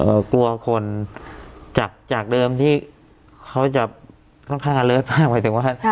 กลัวคนจากจากเดิมที่เขาจะค่อนข้างอเลิศมากหมายถึงว่า